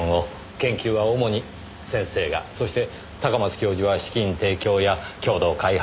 研究は主に先生がそして高松教授は資金提供や共同開発の窓口。